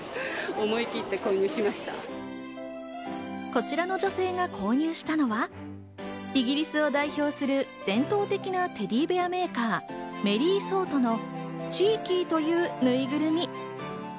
こちらの女性が購入したのは、イギリスを代表する伝統的なテディベアメーカー、メリーソートのチーキーというぬいぐるみ。